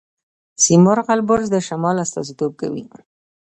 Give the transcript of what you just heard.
سیمرغ البرز د شمال استازیتوب کوي.